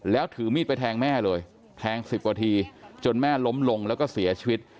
แล้วถือมีดไปแทงแม่เลยแทง๑๐กว่าทีจนแม่ล้มลงแล้วก็เสียชีวิต